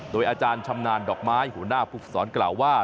โดยอาจารย์ชำนาญดอกไม้หัวหน้าผู้ฝึกสอนกล่าวว่า